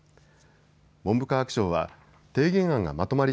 文部科学省は提言案がまとまり